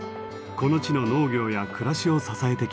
この地の農業や暮らしを支えてきました。